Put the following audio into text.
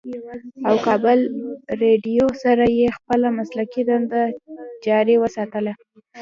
او کابل رېډيو سره ئې خپله مسلکي دنده جاري اوساتله